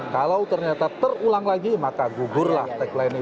kalau ternyata terulang lagi maka gugurlah tagline ini